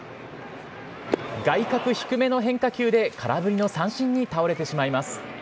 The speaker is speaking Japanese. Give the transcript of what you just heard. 外角低めの変化球で空振りの三振に倒れてしまいます。